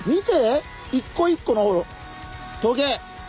一個一個のトゲ。